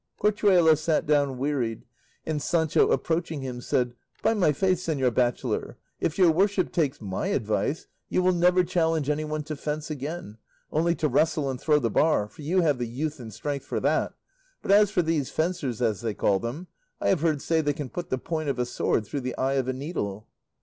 Corchuelo sat down wearied, and Sancho approaching him said, "By my faith, señor bachelor, if your worship takes my advice, you will never challenge anyone to fence again, only to wrestle and throw the bar, for you have the youth and strength for that; but as for these fencers as they call them, I have heard say they can put the point of a sword through the eye of a needle."